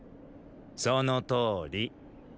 そのとおり。